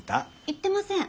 言ってません。